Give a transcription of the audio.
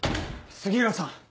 杉浦さん！